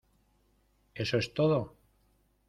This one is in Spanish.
¿ eso es todo?